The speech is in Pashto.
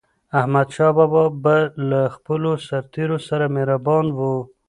احمدشاه بابا به له خپلو سرتېرو سره مهربان و.